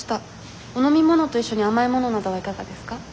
お飲み物と一緒に甘い物などはいかがですか？